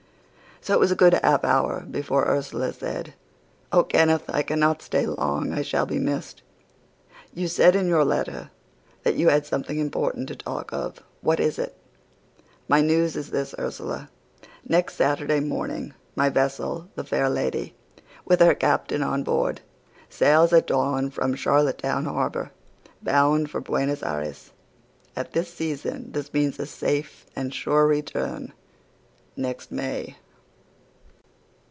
So it was a good half hour before Ursula said, "'Oh, Kenneth, I cannot stay long I shall be missed. You said in your letter that you had something important to talk of. What is it?' "'My news is this, Ursula. Next Saturday morning my vessel, The Fair Lady, with her captain on board, sails at dawn from Charlottetown harbour, bound for Buenos Ayres. At this season this means a safe and sure return next May.